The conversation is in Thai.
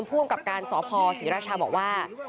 รวมพรุ่งกับการสอพศรีราชาบอกว่า